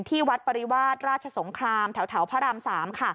ที่วัดปริวาสราชสงครามแถวพระราม๓ค่ะ